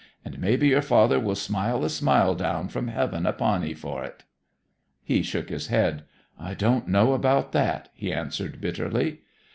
And maybe your father will smile a smile down from heaven upon 'ee for 't.' He shook his head. 'I don't know about that!' he answered bitterly.